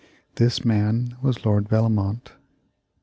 This man was Lord Bellomont.